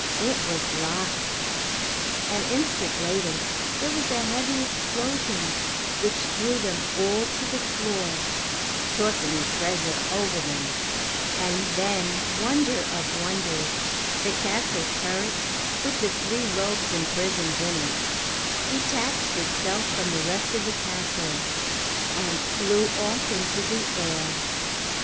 It was locked! An instant later there was a heavy explosion which threw them all to the floor, tossing the treasure over them; and then, wonder of wonders, the castle turret, with the three rogues imprisoned in it, detached itself from the rest of the castle, and flew off into the air.